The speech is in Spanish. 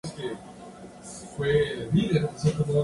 El Domingo de Pascua se celebra la Quema del Judas.